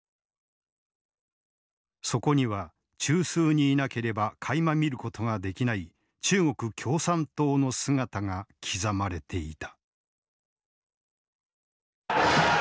そこには中枢にいなければかいま見ることができない中国共産党の姿が刻まれていた。